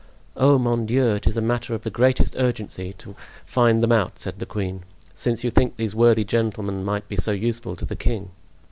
"Oh, mon Dieu, it is a matter of the greatest urgency to find them out," said the queen, "since you think these worthy gentlemen might be so useful to the king."